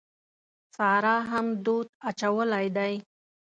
سارا هم دود اچولی دی.